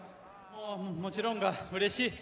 もちろん、うれしい。